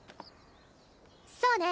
そうね。